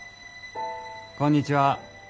・こんにちは。